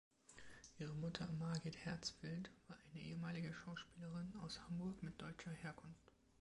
Ihre Mutter Margit Herzfeld war eine ehemalige Schauspielerin aus Hamburg mit deutscher Herkunft.